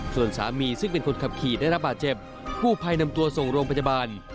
ส่วนสามีซึ่งเป็นคนขับขี่ได้รับบาดเจ็บกู้ภัยนำตัวส่งโรงพยาบาล